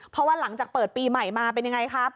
เพราะว่าหลังจากเปิดปีใหม่มาเป็นยังไงครับ